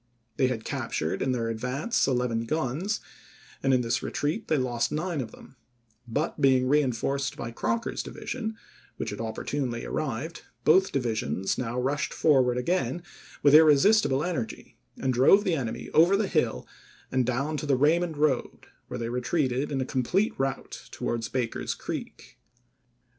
They had captured in their advance eleven guns, and in this retreat they lost nine of them ; but being reenforced by Crocker's division, which had opportunely arrived, both divi sions now rushed forward again with irresistible energy and drove the enemy over the Hill and down to the Kaymond road, where they retreated in a complete rout towards Baker's Creek.